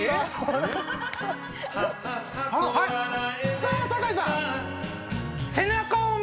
さあ酒井さん。